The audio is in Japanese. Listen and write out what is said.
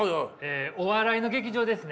お笑いの劇場ですね。